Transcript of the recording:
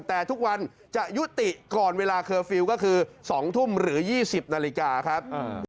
แต่ทุกวันจะยุติก่อนเวลาเคอร์ฟิลล์ก็คือ๒ทุ่มหรือ๒๐นาฬิกาครับ